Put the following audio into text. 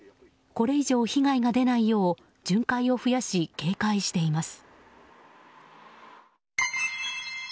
これ以上、被害が出ないよう巡回を増やし、警戒しています。